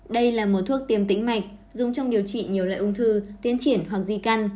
đây là một thuốc tiêm tính mạch dùng trong điều trị nhiều loại ung thư tiến triển hoặc di căn